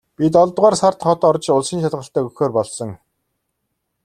Би долоодугаар сард хот орж улсын шалгалтаа өгөхөөр болсон.